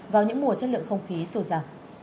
vào những mùa chất lượng không khí sổ giả